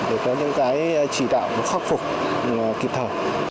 để có những chỉ đạo khắc phục kịp thở